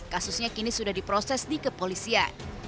kasusnya kini sudah diproses di kepolisian